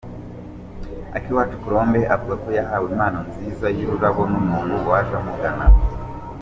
Akiwacu Colombe avuga ko yahawe impano nziza y’urarabo n’umuntu waje amugana.